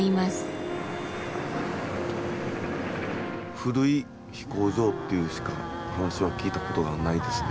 古い飛行場っていうしか話は聞いたことがないですね。